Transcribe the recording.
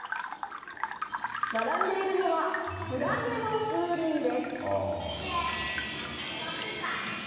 並んでいるのは、クラゲの風鈴です。